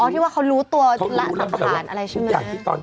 อ๋อที่ว่าเขารู้ตัวสัมผัสอะไรใช่ไหม